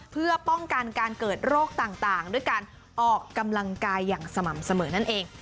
เพื่อป้องกันการเกิดโรคต่างด้วยการออกกำลังกายอย่างสม่ำเสมอนั่นเอง